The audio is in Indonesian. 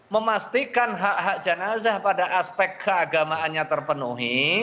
memastikan hak hak jenazah pada aspek keagamaannya terpenuhi